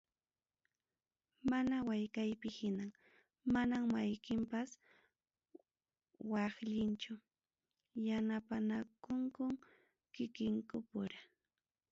Mana waykaypi hinam, manam mayqinpas waqllinchu, yanapanakunkum kikinkupura.